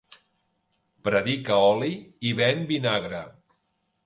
Predica oli i ven vinagre.